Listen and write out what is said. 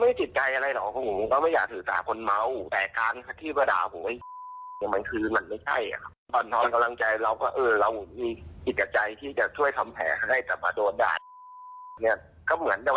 ว่าชายคนที่เป็นทหารอากาศเขาอ้างว่าถูกรถอีกคันขับตัดหน้าค่ะ